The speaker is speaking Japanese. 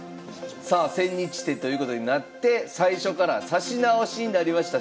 さあ千日手ということになって最初から指し直しになりました。